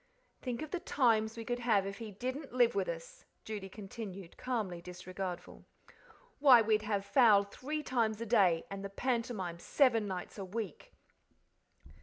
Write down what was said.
"Think of the times we could have if he didn't live with us," Judy continued, calmly disregardful. "Why, we'd have fowl three times a day, and the pantomime seven nights a week."